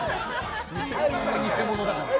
偽者だから。